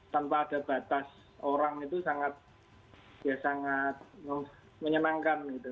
tanpa ada batas orang itu sangat menyenangkan gitu